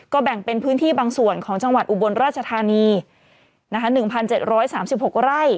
แบ่งเป็นพื้นที่บางส่วนของจังหวัดอุบลราชธานี๑๗๓๖ไร่